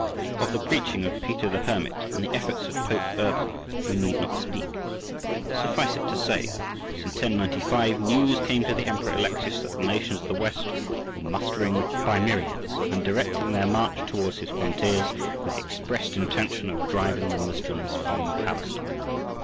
Of the preaching of Peter the Hermit and the efforts of Pope Urban we need not speak. Suffice it to say, that in 1095 news came to the Emperor Alexius that the nations of the West were mustering by myriads, and directing their march towards his frontiers, with the expressed intention of driving the Moslems from Palestine.